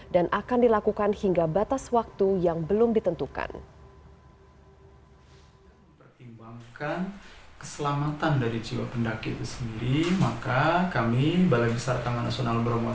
dan akan dilakukan hingga batas waktu yang belum ditentukan